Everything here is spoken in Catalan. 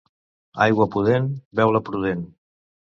Aigua pudent, beu-la prudent.